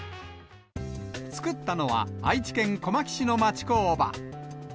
作ったのは、愛知県小牧市の町工場。